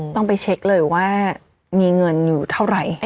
ต้องไปเช็คเลยว่ามีเงินอยู่เท่าไหร่